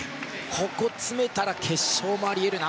ここを詰めたら決勝もあり得るな。